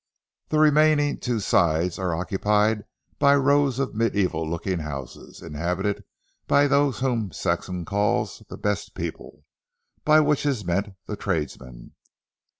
The remaining two sides are occupied by rows of mediæval looking houses, inhabited by those whom Saxham calls "the best people," by which is meant the tradesmen.